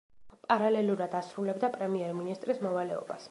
პარალელურად ასრულებდა პრემიერ-მინისტრის მოვალეობას.